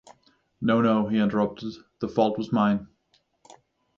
‘No, no,’ he interrupted, ‘the fault was mine.